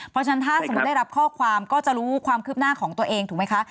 เพราะฉะนั้นถ้าสมมุติได้รับข้อความก็จะรู้ความคืบหน้าของตัวเองถูกไหมคะ